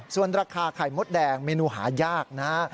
ส่วนราคาไข่มดแดงเมนูหายากนะฮะ